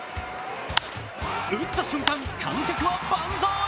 打った瞬間、観客は万歳。